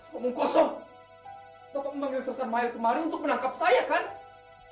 kamu kosong bapak memanggil sersanmayel kemarin untuk menangkap saya kan